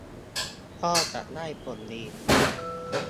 ก็จะได้ผลดี